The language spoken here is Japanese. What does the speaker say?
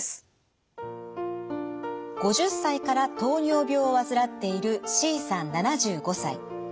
５０歳から糖尿病を患っているＣさん７５歳。